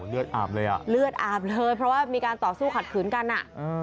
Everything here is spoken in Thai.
เลือดอาบเลยอ่ะเลือดอาบเลยเพราะว่ามีการต่อสู้ขัดขืนกันอ่ะ